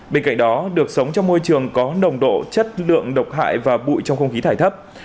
bên cạnh đó được sống trong môi trường có nồng độ chất lượng độc hại và bụi trong không khí thải thấp